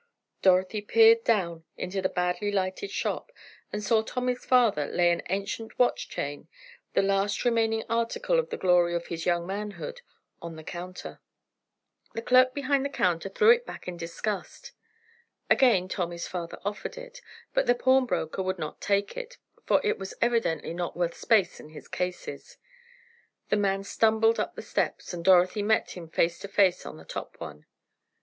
Dorothy peered down into the badly lighted shop, and saw Tommy's father lay an ancient watch chain, the last remaining article of the glory of his young manhood, on the counter. The clerk behind the counter threw it back in disgust. Again Tommy's father offered it, but the pawnbroker would not take it, for it was evidently not worth space in his cases. The man stumbled up the steps, and Dorothy met him face to face on the top one.